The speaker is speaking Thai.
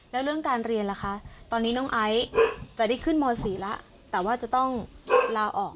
แล้วเรื่องการเรียนล่ะคะตอนนี้น้องไอซ์จะได้ขึ้นม๔แล้วแต่ว่าจะต้องลาออก